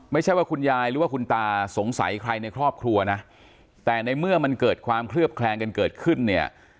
ไม่ใช่ว่าคุณยายหรือว่าคุณตาสงสัยใครในครอบครัวนะแต่ในเมื่อมันเกิดความเคลือบแคลงกันเกิดขึ้นเนี่ย